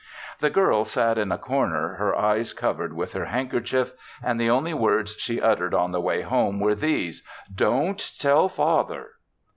The girl sat in a corner, her eyes covered with her handkerchief and the only words she uttered on the way home were these: "Don't tell father!"